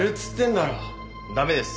駄目です。